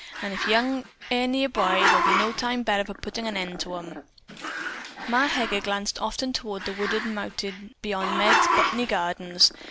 An' if young air near by, there'll be no time better for puttin' an end to 'em." Ma Heger glanced often toward the wooded mountain beyond Meg's "Bot'ny Gardens."